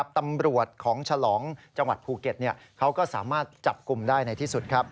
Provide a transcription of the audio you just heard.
ตำรวจของฉลองจังหวัดภูเก็ตเขาก็สามารถจับกลุ่มได้ในที่สุด